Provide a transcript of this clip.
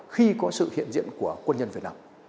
khi có sự hiện diện của quân nhân việt nam